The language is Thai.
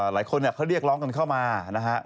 หลายคนเขาเรียกร้องกันเข้ามานะฮะ